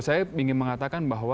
saya ingin mengatakan bahwa